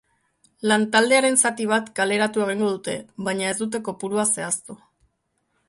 Lantaldearen zati bat kaleratu egingo dute, baina ez dute kopurua zehaztu.